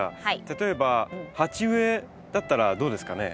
例えば鉢植えだったらどうですかね？